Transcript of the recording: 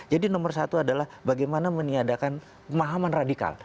jadi nomor satu adalah bagaimana meniadakan pemahaman radikal